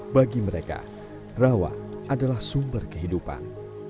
bagi mereka rawa adalah sumber kehidupan